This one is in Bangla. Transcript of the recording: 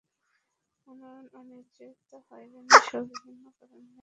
মনোনয়ন অনিশ্চয়তা, হয়রানিসহ বিভিন্ন কারণে সম্ভাব্য প্রার্থীরা মনোনয়নপত্র সংগ্রহ করছেন অনেকটা নিভৃতে।